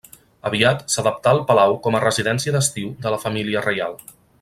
Aviat s'adaptà el palau com a residència d'estiu de la família reial.